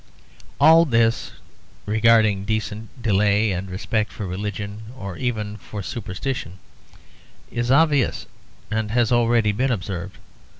All this, regarding a decent delay and respect for religion or even for superstition, is obvious and has already been observed.